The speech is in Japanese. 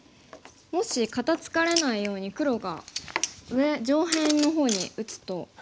もし肩ツカれないように黒が上上辺の方に打つと。